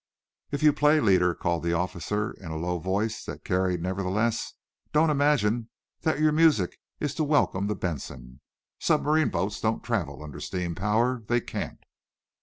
"If you play, leader," called the officer, in a low voice that carried, nevertheless, "don't imagine that your music is to welcome the 'Benson.' Submarine boats don't travel under steam power. They can't."